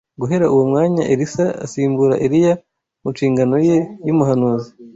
Guhera uwo mwanya Elisa asimbura Eliya ku nshingano ye y’umuhanuzi